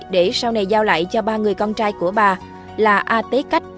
để sau này giao lại cho ba người con trai của bà là a tế cách